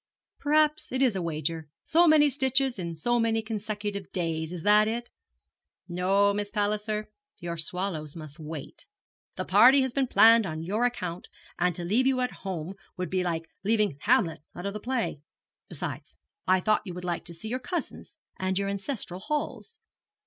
Perhaps it is a wager so many stitches in so many consecutive days is that it? No, Miss Palliser, your swallows must wait. The party has been planned on your account, and to leave you at home would be like leaving Hamlet out of the play. Besides, I thought you would like to see your cousins and your ancestral halls.'